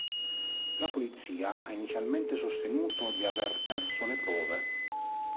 La polizia ha inizialmente sostenuto di aver perso le prove.